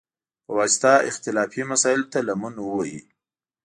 په واسطه، اختلافي مسایلوته لمن ووهي،